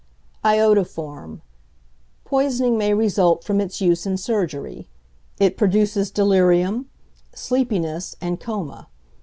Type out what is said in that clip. =Iodoform.= Poisoning may result from its use in surgery. It produces delirium, sleepiness, and coma.